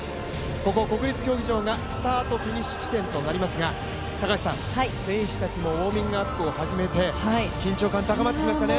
ここ国立競技場スタート・フィニッシュ地点となりますが、選手たちもウォーミングアップを始めて緊張感漂ってきましたね。